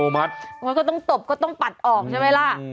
มันก็ต้องตบก็ต้องปัดออกใช่ไหมล่ะ